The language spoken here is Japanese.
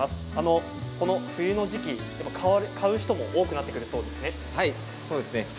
この冬の時期、買う人も多くなってくるそうですね。